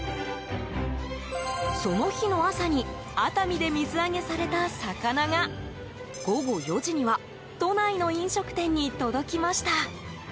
その日の朝に熱海で水揚げされた魚が午後４時には都内の飲食店に届きました。